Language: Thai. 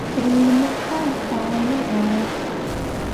กลืนไม่เข้าคายไม่ออก